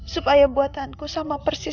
supaya buatanku sama persis